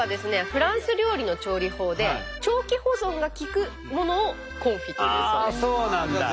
フランス料理の調理法で長期保存が利くものをコンフィというそうです。